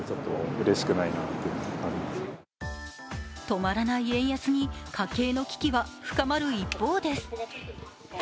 止まらない円安に家計の危機は深まる一方です。